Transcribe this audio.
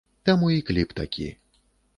Таму і кліп такі.